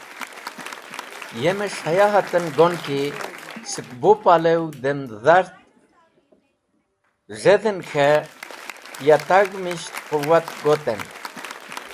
Yemes̃h haya haten go’n ki skẽbu palew dem dhart z̃hedhen k̃he ya tag̃hmisht quwat goten.